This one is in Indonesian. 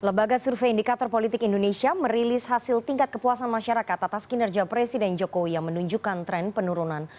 lembaga survei indikator politik indonesia merilis hasil tingkat kepuasan masyarakat atas kinerja presiden jokowi yang menunjukkan tren penurunan